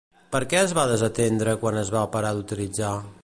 Per què es va desatendre quan es va parar d'utilitzar?